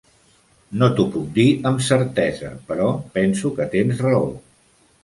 No t'ho puc dir amb certesa però penso que tens raó.